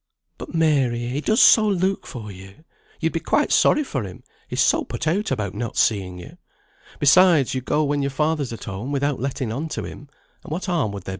"But, Mary, he does so look for you. You'd be quite sorry for him, he's so put out about not seeing you. Besides you go when your father's at home, without letting on to him, and what harm would there be in going now?"